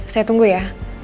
saya tunggu ya